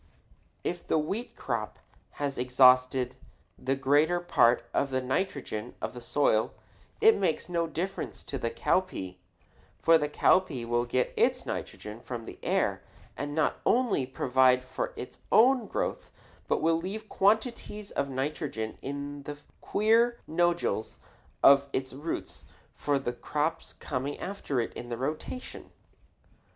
If the wheat crop has exhausted the greater part of the nitrogen of the soil, it makes no difference to the cowpea; for the cowpea will get its nitrogen from the air and not only provide for its own growth but will leave quantities of nitrogen in the queer nodules of its roots for the crops coming after it in the rotation.